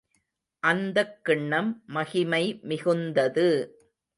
அந்தக் கிண்ணம் மகிமை மிகுந்தது.